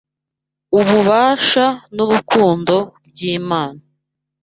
ububasha n’urukundo by’Imana.